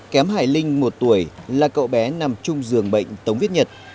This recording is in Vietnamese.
kém hải linh một tuổi là cậu bé nằm chung giường bệnh tống viết nhật